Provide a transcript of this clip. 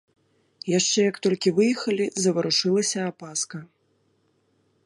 Яшчэ як толькі выехалі, заварушылася апаска.